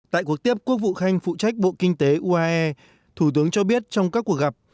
tại cuộc tiếp quốc vụ khanh phụ trách bộ kinh tế uae thủ tướng cho biết trong các cuộc gặp